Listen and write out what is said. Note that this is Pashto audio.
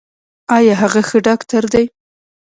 ایا هغه ښه ډاکټر دی؟